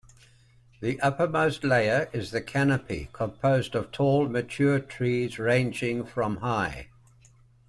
The uppermost layer is the canopy composed of tall mature trees ranging from high.